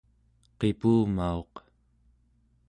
qipumauq